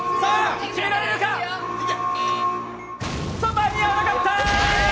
間に合わなかった！